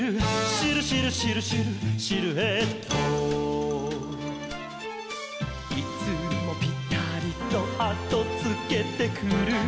「シルシルシルシルシルエット」「いつもぴたりとあとつけてくる」